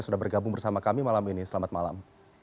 sudah bergabung bersama kami malam ini selamat malam